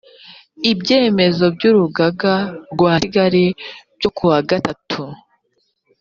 ibyemezo by urugaga rwa kigali byo kuwa gatatu